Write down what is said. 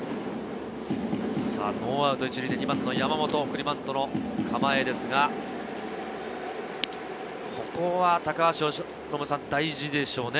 ノーアウト１塁で２番の山本、送りバントの構えですが、ここは大事でしょうね。